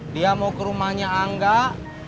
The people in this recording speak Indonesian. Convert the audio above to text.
dia mau ke rumahnya enggak